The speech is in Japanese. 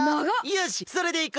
よしそれでいこう！